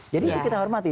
jadi itu kita hormati